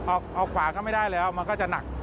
เอาขวาก็ไม่ได้แล้วมันก็จะหนัก